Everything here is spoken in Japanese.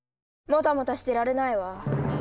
もたもたしてられないわ。